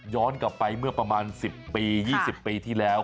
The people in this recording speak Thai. กลับไปเมื่อประมาณ๑๐ปี๒๐ปีที่แล้ว